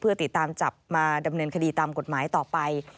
เพื่อติดตามจับมาดำเนินคดีตามกฎหมายต่อไป